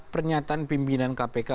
pernyataan pimpinan kpk